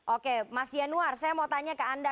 oke mas yanuar saya mau tanya ke anda